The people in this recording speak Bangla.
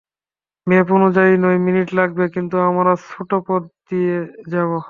ম্যাপ অনুযায়ী নয় মিনিট লাগবে, কিন্তু আমরা ছোট পথ দিয়ে যাব।